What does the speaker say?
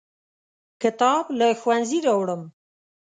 کتاب له ښوونځي راوړم.